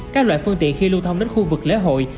các loại phương tiện khi lưu thông đến khu vực lễ hội